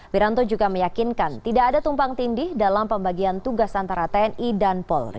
wiranto juga meyakinkan tidak ada tumpang tindih dalam pembagian tugas antara tni dan polri